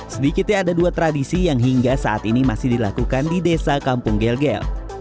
sedikitnya ada dua tradisi yang hingga saat ini masih dilakukan di desa kampung gel gel